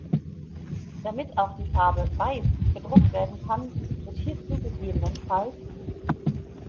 Damit auch die Farbe „Weiß“ gedruckt werden kann, wird hierzu ggf.